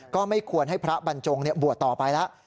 ก็ไม่ควรให้พระบรรจงบวชต่อไปแล้ว